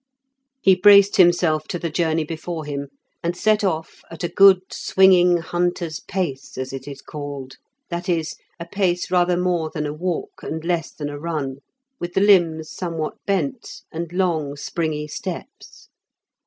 He braced himself to the journey before him, and set off at a good swinging hunter's pace, as it is called, that is, a pace rather more than a walk and less than a run, with the limbs somewhat bent, and long springy steps.